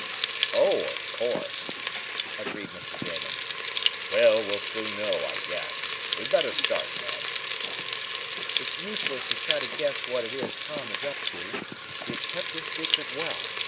"Oh, of course!" agreed Mr. Damon. "Well, we'll soon know, I guess. We'd better start, Ned." "It's useless to try to guess what it is Tom is up to. He has kept his secret well.